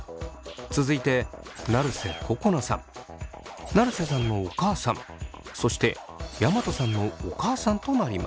続いて成瀬心奈さん成瀬さんのお母さんそして山戸さんのお母さんとなります。